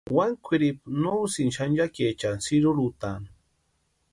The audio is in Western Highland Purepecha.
Wani kwʼiripu no úsïnti xanchakiechani sïrurhutani.